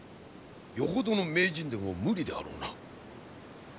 よほどの名人でも無理であろうな。